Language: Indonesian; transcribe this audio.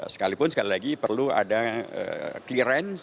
sekalipun sekali lagi perlu ada clearance